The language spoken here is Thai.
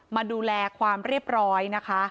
มาดูแลความเรียบร้อยนะคะ